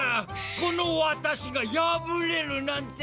このわたしがやぶれるなんて！